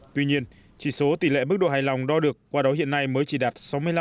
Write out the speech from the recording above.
tuy nhiên chỉ số tỷ lệ mức độ hài lòng đo được qua đó hiện nay mới chỉ đạt sáu mươi năm